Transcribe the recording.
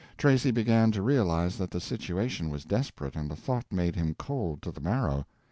Tracy began to realize that the situation was desperate, and the thought made him cold to the marrow.